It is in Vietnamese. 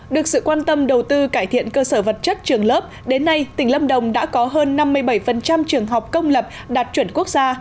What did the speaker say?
được sự quan tâm đầu tư cải thiện cơ sở vật chất trường lớp đến nay tỉnh lâm đồng đã có hơn năm mươi bảy trường học công lập đạt chuẩn quốc gia